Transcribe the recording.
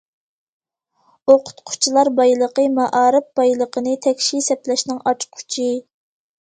ئوقۇتقۇچىلار بايلىقى مائارىپ بايلىقىنى تەكشى سەپلەشنىڭ ئاچقۇچى.